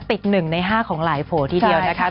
ติดหนึ่งในห้าของหลายโผทีเดียวนะคะ